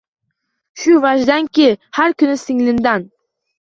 Shu vajdanki har kun singlimdan —